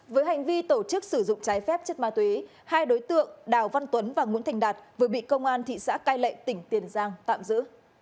với hành vi tổ chức sử dụng trái phép chất ma túy hai đối tượng đào văn tuấn và nguyễn thành đạt vừa bị công an thị xã cai lệ tỉnh tiền giang tạm giữ